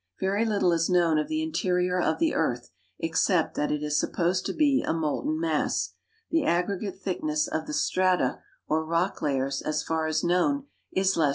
= Very little is known of the interior of the earth, except that it is supposed to be a molten mass. The aggregate thickness of the strata or rock layers, as far as known, is less than thirty miles. =Daguerreotypes.